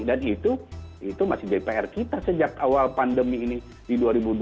dan itu masih dpr kita sejak awal pandemi ini di dua ribu dua puluh